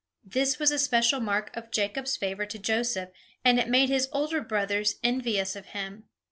This was a special mark of Jacob's favor to Joseph, and it made his older brothers envious of him.